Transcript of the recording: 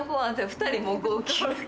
２人、もう号泣。